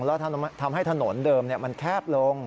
แล้วทำให้ถนนเดิมมันแคบลง